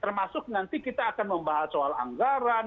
termasuk nanti kita akan membahas soal anggaran